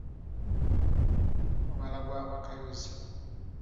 Mubala gwa ba Kayozi.